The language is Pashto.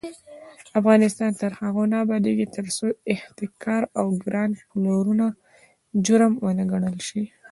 افغانستان تر هغو نه ابادیږي، ترڅو احتکار او ګران پلورنه جرم ونه ګڼل شي.